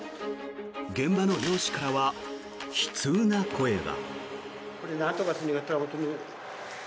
現場の漁師からは悲痛な声が。